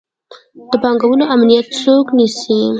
د پانګوالو امنیت څوک نیسي؟